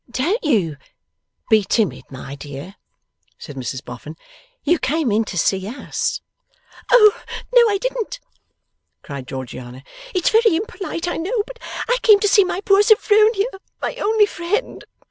'Don't ye be timid, my dear,' said Mrs Boffin. 'You came in to see us.' 'Oh, no, I didn't,' cried Georgiana. 'It's very impolite, I know, but I came to see my poor Sophronia, my only friend.